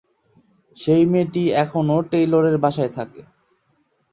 সেই মেয়েটি এখনও টেইলরের বাসায় থাকে।